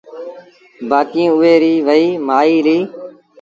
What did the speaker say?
بآڪيٚݩ اُئي ريٚ وهي مآئيٚ رهيٚ